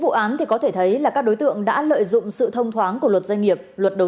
thông tin có thể thấy là các đối tượng đã lợi dụng sự thông thoáng của luật doanh nghiệp luật đầu